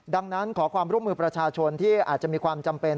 ดังนั้นขอความร่วมมือประชาชนที่อาจจะมีความจำเป็น